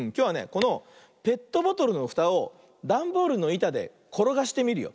このペットボトルのふたをだんボールのいたでころがしてみるよ。